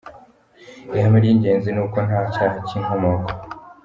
Ihame ry’ingenzi ni uko nta cyaha cy’inkomoko.